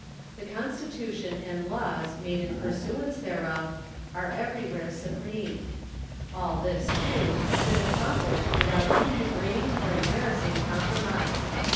. The Constitution and laws made in pursuance thereof, are every where su}>rcnie. All this, too, has been accomplished without any degrading or embarrassing compromise.